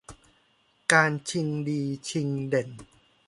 การชิงดีชิงเด่น